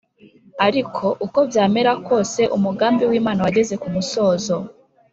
ariko , uko byamera kose, umugambi w’imana wageze ku musozo